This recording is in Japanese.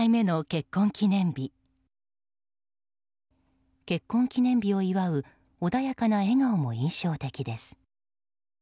結婚記念日を祝う穏やかな笑顔も印象的です。